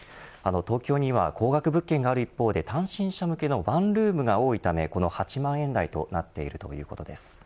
東京には高額物件がある一方で単身者向けのワンルームが多いため８万円台となっているということです。